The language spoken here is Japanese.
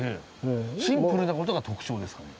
シンプルな事が特徴ですかね？